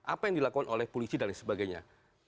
apa yang dilakukan oleh polisi dan lain sebagainya